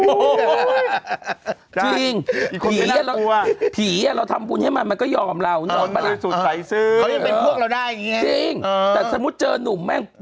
จริงผีเราทำบุญให้มันมันก็ยอมเราได้อย่างนี้จริงแต่สมมุติเจอนุ่มแม่ง